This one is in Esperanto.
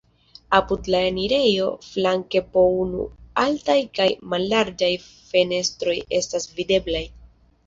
Apud la enirejo flanke po unu altaj kaj mallarĝaj fenestroj estas videblaj.